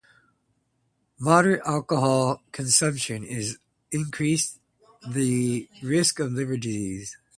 Moderate alcohol consumption also increases the risk of liver disease.